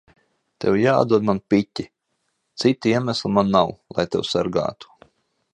Tev jāatdod man piķi. Cita iemesla man nav, lai tevi sargātu.